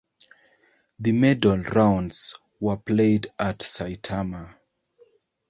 The Medal Rounds were played at Saitama.